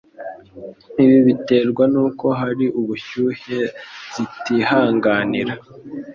Ibi biterwa n'uko hari ubushyuhe zitihanganira.